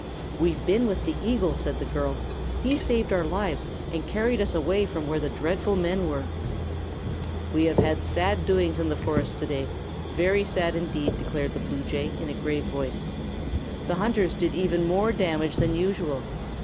"We've been with the eagle," said the girl. "He saved our lives and carried us away from where the dreadful men were." "We have had sad doings in the forest today very sad, indeed," declared the bluejay, in a grave voice. "The hunters did even more damage than usual.